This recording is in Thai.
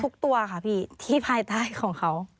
ทุกตัวค่ะพี่ที่ภายใต้ของเขา